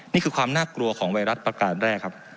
นี่คือความน่ากลัวของไวรัสประการแรกครับ